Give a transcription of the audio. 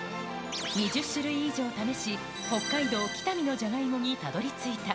２０種類以上試し、北海道北見のジャガイモにたどりついた。